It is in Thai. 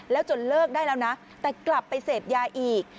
แล้วจนเลิกได้แล้วนะแต่กลับไปเสพยาอีก